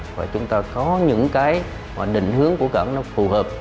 và chúng ta có những định hướng của cận phù hợp